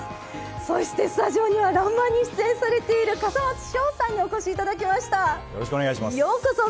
そして、スタジオには「らんまん」に出演されている笠松将さんにお越しいただきました。